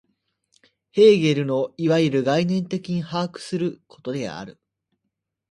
ヘーゲルのいわゆる概念的に把握することである。